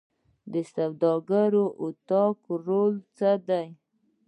د سوداګرۍ اتاق رول څه دی؟